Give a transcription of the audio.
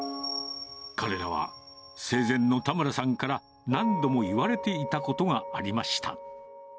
彼らは、生前の田村さんから何度も言われていたことがありました。